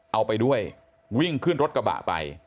เอาไปด้วยวิ่งขึ้นรถกระบะไป